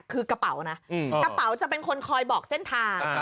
คือกระเป๋านะกระเป๋าจะเป็นคนคอยบอกเส้นทาง